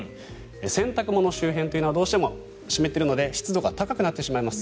洗濯物周辺というのはどうしても湿ってるので湿度が高くなってしまいます。